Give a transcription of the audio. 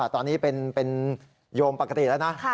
ตอนนี้เป็นโยมปกติแล้วนะ